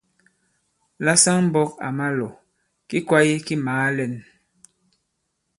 La saŋ-mbɔ̄k à ma-lɔ̀, ki kwāye ki màa lɛ᷇n.